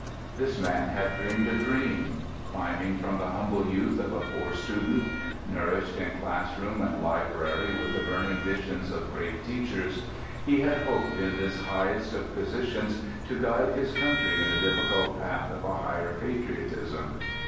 This man had dreamed a dream. Climbing from the humble youth of a poor student, nourished in classroom and library with the burning visions of great teachers, he had hoped in this highest of positions to guide his country in the difficult path of a higher patriotism.